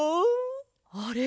あれ？